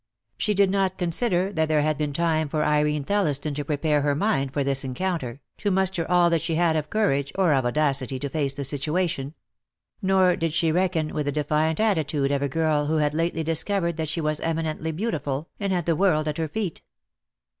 She did not consider that there had been time for Irene Thelhston to prepare her mind for this encounter, to muster all that she had of courage, or of audacity, to face the situation. Nor did she reckon with the defiant attitude of a girl who had lately discovered that she was eminently beautiful, and had the world at her feet.